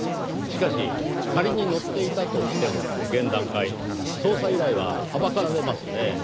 しかし仮に乗っていたとしても現段階捜査依頼ははばかられますねぇ。